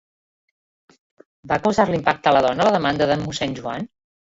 Va causar-li impacte a la dona la demanda d'en mossèn Joan?